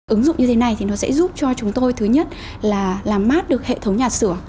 ứng dụng như thế này thì nó sẽ giúp cho chúng tôi thứ nhất là làm mát được hệ thống nhà sửa